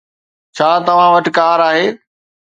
ڇا توهان وٽ ڪار آهي